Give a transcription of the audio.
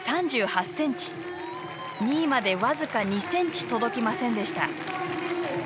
２位まで僅か２ｃｍ届きませんでした。